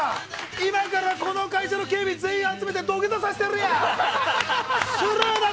今からこの会社の警備全員集めて土下座させてやるよ！